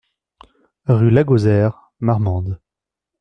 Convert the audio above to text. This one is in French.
Rue Lagauzère, Marmande